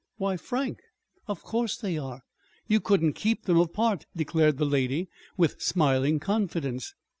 "Why, Frank, of course they are! You couldn't keep them apart," declared the lady, with smiling confidence.